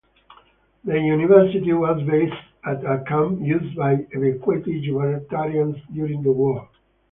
The university was based at a camp used by evacuated Gibraltarians during the war.